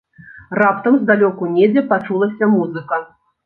Раптам здалёку недзе пачулася музыка.